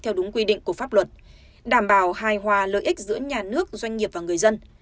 theo đúng quy định của pháp luật đảm bảo hài hòa lợi ích giữa nhà nước doanh nghiệp và người dân